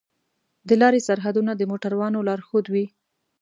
د لارې سرحدونه د موټروانو لارښود وي.